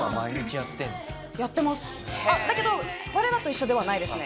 あっだけど我らと一緒ではないですね。